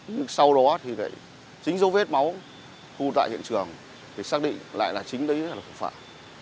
nhưng sau đó thì chính dấu vết máu thu tại hiện trường thì xác định lại là chính đấy là phụ phạm